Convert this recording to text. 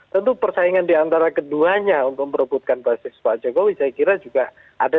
tentu persaingan diantara keduanya untuk merebutkan basis pak jokowi saya kira juga ada